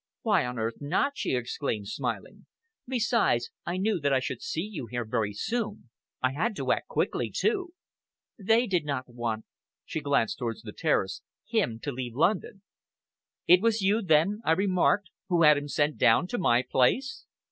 "Why on earth not!" she exclaimed, smiling. "Besides, I knew that I should see you here very soon. I had to act quickly too! They did not want" she glanced towards the terrace "him to leave London." "It was you, then," I remarked, "who had him sent down to my place?"